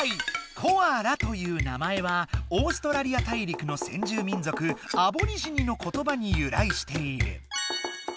「コアラ」という名前はオーストラリア大陸の先住民族アボリジニのことばにゆらいしている。